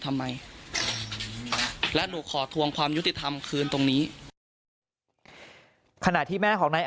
ทำไมและหนูขอทวงความยุติธรรมคืนตรงนี้ขณะที่แม่ของนาย